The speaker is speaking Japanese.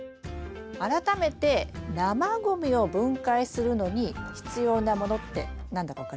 改めて生ごみを分解するのに必要なものって何だか分かります？